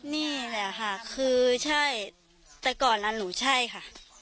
นี่แหละค่ะคือใช่แต่ก่อนนั้นหนูใช่ค่ะ